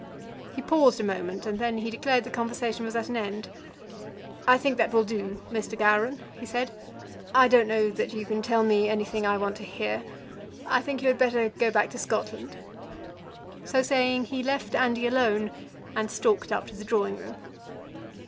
He paused a moment, and then he declared that the conversation was at an end. "I think that will do, Mr. Gowran," he said. "I don't know that you can tell me anything I want to hear. I think you had better go back to Scotland." So saying, he left Andy alone and stalked up to the drawing room.